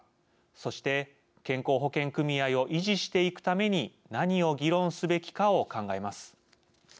そして、健康保険組合を維持していくために何を議論すべきかを考えます。